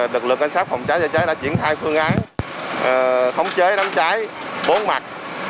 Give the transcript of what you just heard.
được lực an sát phòng cháy cháy cháy đã chuyển thay phương án thống chế đám cháy bốn mặt